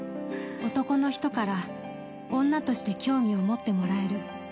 男の人から女として興味を持ってもらえる。